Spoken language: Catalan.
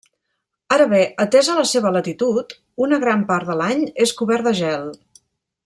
Ara bé, atesa la seva latitud, una gran part de l'any és cobert de gel.